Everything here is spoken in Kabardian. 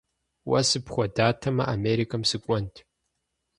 Уэ сыпхуэдатэмэ, Америкэм сыкӀуэнт.